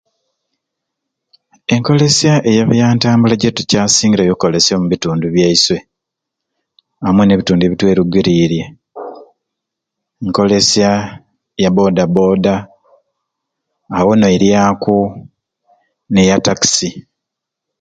Enkolesya eya byantambula jetukyasingireyo okolesya ombitundu byaiswe amwei nebitundu ebitw'erugurirye nkolesya ya boda boda awo noiryaku neya takisi.